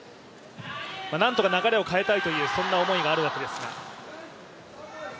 なんとか流れを変えたいという思いがあるわけですが。